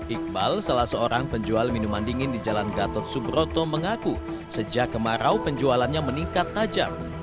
iqbal salah seorang penjual minuman dingin di jalan gatot subroto mengaku sejak kemarau penjualannya meningkat tajam